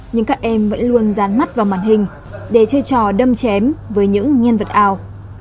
nhưng các em vẫn luôn rán mắt vào màn hình để chơi trò đâm chém với những nhân vật ảo